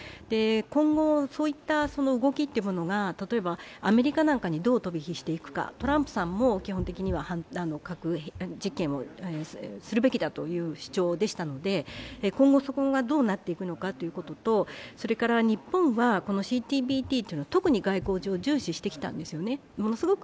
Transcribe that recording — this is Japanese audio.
今後、そういった動きが例えばアメリカなんかにどう飛び火していくか、トランプさんも基本的には核実験をするべきだという主張でしたので今後、そこがどうなっていくのかということと日本はこのＣＴＢＴというのは外交上重視してきたんですね。